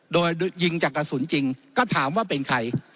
โดยยิงจากกระสุนจริงก็ถามว่าเป็นใคร